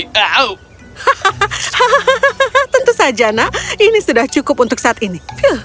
hahaha tentu saja nak ini sudah cukup untuk saat ini